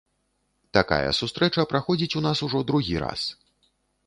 Такая сустрэча праходзіць у нас ужо другі раз.